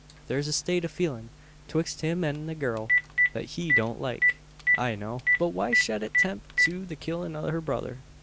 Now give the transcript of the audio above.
Thur's a state o' feelin' twixt him an the gurl, thet he don't like, I know. But why shed it temp him to the killin' o' her brother?